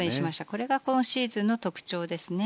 これが今シーズンの特徴ですね。